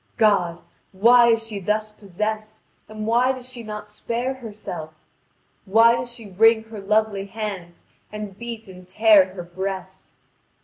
God! why is she thus possessed, and why does she not spare herself? Why does she wring her lovely hands and beat and tear her breast?